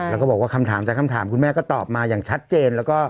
แล้วก็บอกว่าคำถามแต่คำถามคุณแม่ก็ตอบมาอย่างชัดเจนแล้วก็